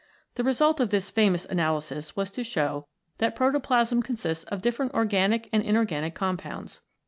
The result of this famous analysis was to show that protoplasm consists of different organic and inorganic compounds.